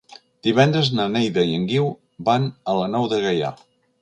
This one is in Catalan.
Divendres na Neida i en Guiu van a la Nou de Gaià.